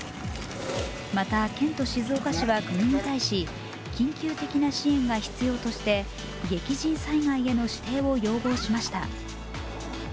また、県と静岡市は国に対し、緊急的な支援が必要として激甚災害への指定を要望しました。